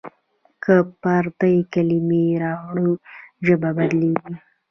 که پردۍ کلمې راوړو ژبه بدلېږي.